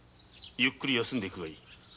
ゆっくり休んで行くがいい。